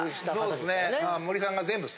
そうですね。